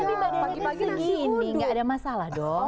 tapi badannya kan segini gak ada masalah dong